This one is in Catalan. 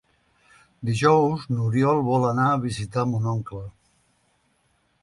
Dijous n'Oriol vol anar a visitar mon oncle.